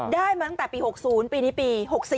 ได้มาตั้งแต่ปี๖๐ปีนี้ปี๖๔